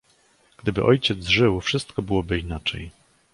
"Gdyby ojciec żył, wszystko byłoby inaczej."